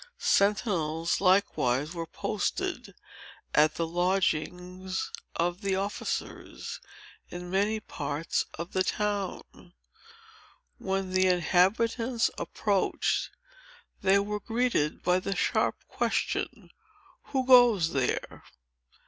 Sentinels, likewise, were posted at the lodgings of the officers, in many parts of the town. When the inhabitants approached, they were greeted by the sharp question—"Who goes there?"